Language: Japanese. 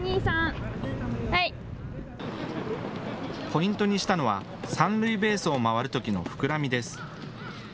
ポイントにしたのは三塁ベースを回るときの膨らみです。